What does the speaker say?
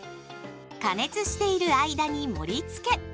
加熱している間に盛りつけ。